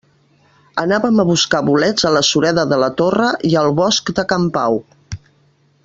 Anàvem a buscar bolets a la sureda de la Torre i al bosc de Can Pau.